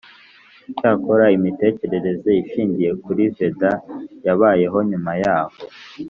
icyakora imitekerereze ishingiye kuri veda yabayeho nyuma yaho